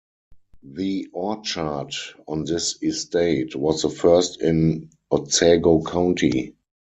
The "orchard" on this estate was the first in Otsego County.